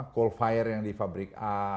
coal fire yang di fabrik a